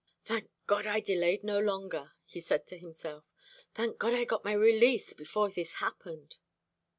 "Thank God I delayed no longer!" he said to himself; "thank God I got my release before this happened!"